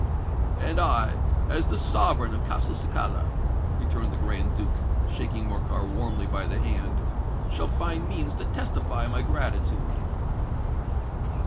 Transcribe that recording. "And I, as the sovereign of Castelcicala," returned the Grand Duke, shaking Morcar warmly by the hand, "shall find means to testify my gratitude."